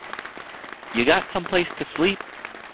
You got someplace to sleep?